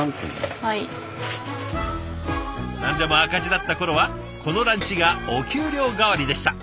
何でも赤字だった頃はこのランチがお給料代わりでした。